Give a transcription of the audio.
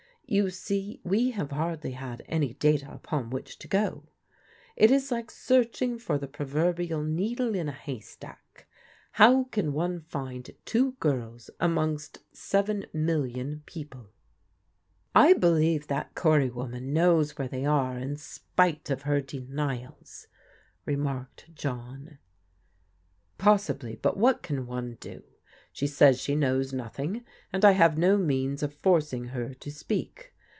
You see we have hardly had any data upon which to go. It IS like searching for the proverbial needle in a hay stack. How can one find two girls amongst seven mil Kon people?" 163 164 PBODIGAL DAUGHTERS " I believe that Cory woman knows where they are in spite of her denials," remarked John. " Possibly, but what can one do ? She says she knows nothing, and I have no means of forcing her to speak.